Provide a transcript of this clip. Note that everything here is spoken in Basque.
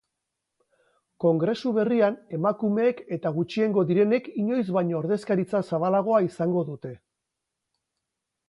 Kongresu berrian emakumeek eta gutxiengo direnek inoiz baino ordezkaritza zabalagoa izango dute.